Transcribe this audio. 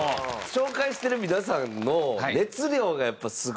紹介してる皆さんの熱量がやっぱすごいよね。